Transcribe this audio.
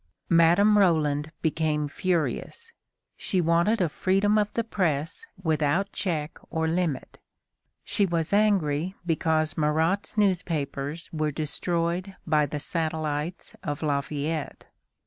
Madame Roland became furious. She wanted a freedom of the press without check or limit. She was angry because Marat's newspapers were destroyed by the satellites of Lafayette.